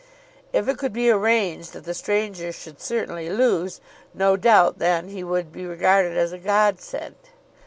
If it could be arranged that the stranger should certainly lose, no doubt then he would be regarded as a godsend.